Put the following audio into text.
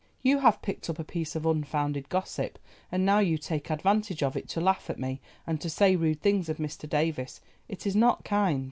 "You have picked up a piece of unfounded gossip and now you take advantage of it to laugh at me, and to say rude things of Mr. Davies. It is not kind."